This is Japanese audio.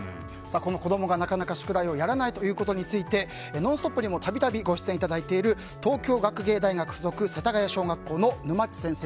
子供がなかなか宿題をやらないことについて「ノンストップ！」にも度々ご出演いただいている東京学芸大学付属世田谷小学校のぬまっち先生